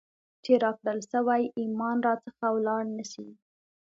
چي راکړل سوئ ایمان را څخه ولاړ نسي ،